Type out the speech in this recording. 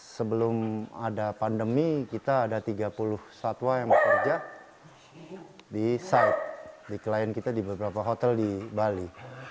sebelum ada pandemi kita ada tiga puluh satwa yang bekerja di site di klien kita di beberapa hotel di bali